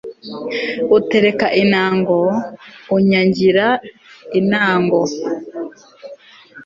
utereka intaango-unyangirira intâango